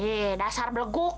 eh dasar beleguk